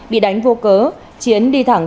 bị đánh vô cớ chiến đi thẳng